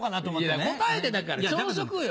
いや答えてだから朝食よ。